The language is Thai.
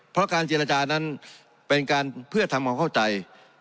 เพราะการเจรจานั้นเป็นการเพื่อทำความเข้าใจ